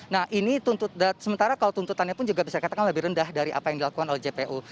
nah ini sementara kalau tuntutannya pun juga bisa dikatakan lebih rendah dari apa yang dilakukan oleh jpu